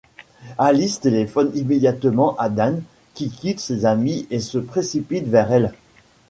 Alice téléphone immédiatement à Dan qui quitte ses amis et se précipite vers elle.